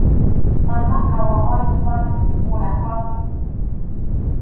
Mamaqa wawayuq warmi, kuraq warmim.